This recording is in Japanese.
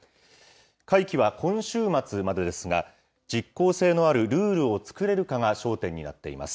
会期は今週末までですが、実効性のあるルールを作れるかが焦点になっています。